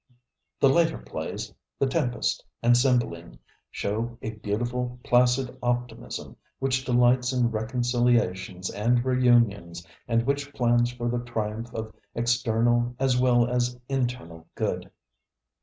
The later plays, ŌĆ£The TempestŌĆØ and ŌĆ£Cymbeline, ŌĆØ show a beautiful, placid optimism which delights in reconciliations and reunions and which plans for the triumph of external as well as internal good.